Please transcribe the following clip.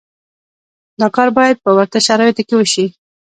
دا کار باید په ورته شرایطو کې وشي.